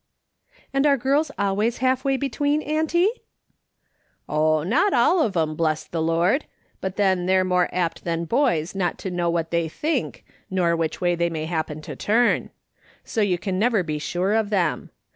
" And are girls always half way between, auntie ?"" Oh, not all of them, bless the Lord ! But then they're more apt than boys not to know what they think, nor which way they may happen to turn ; so you can never be sure of them.